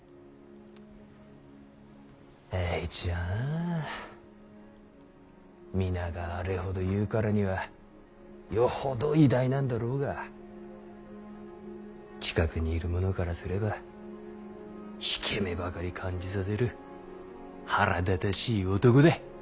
栄一はなぁ皆があれほど言うからにはよほど偉大なんだろうが近くにいるものからすれば引け目ばかり感じさせる腹立たしい男だい。